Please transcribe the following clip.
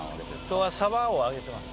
今日はサバを揚げてます。